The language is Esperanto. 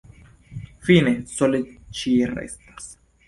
Fine sole ŝi restas.